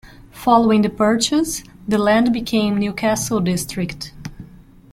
Following the purchase, the land became Newcastle District.